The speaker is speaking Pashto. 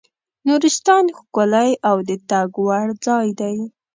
نورستان ښکلی او د تګ وړ ځای دی.